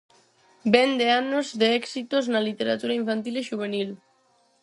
Vén de anos de éxitos na literatura infantil e xuvenil.